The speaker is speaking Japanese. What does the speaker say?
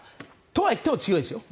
とはいっても強いですよ。